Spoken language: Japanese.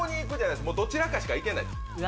どちらかしか行けない。